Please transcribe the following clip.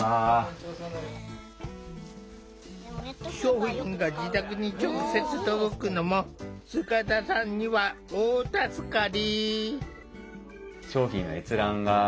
商品が自宅に直接届くのも塚田さんには大助かり。